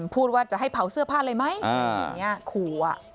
พูดว่าจะให้เผาเสื้อผ้าเลยไหมขูอ่ะ